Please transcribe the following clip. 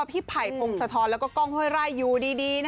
พี่ไผ่พงศธรแล้วก็กล้องห้วยไร่อยู่ดี